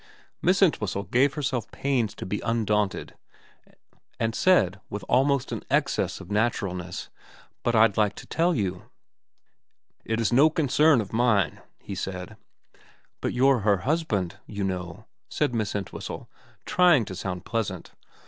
Miss Entwhistle gave herself pains to be undaunted, and said with almost an excess of naturalness, ' But I'd like to tell you.' * It is no concern of mine,' he said. VERA 343 ' But you're her husband, you know,' said Miss Entwhistle, trying to sound pleasant.